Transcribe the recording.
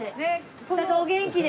社長お元気で。